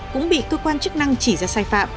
cũng bị cơ quan chức năng chỉ ra sai phạm